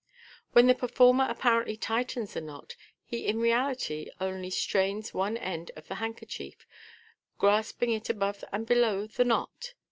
When the performer apparently tightens the knot, he in reality only strains one end of the handkerchief, grasping it above and below the knot.